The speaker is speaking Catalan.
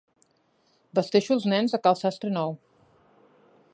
Vesteixo els nens a cal sastre nou.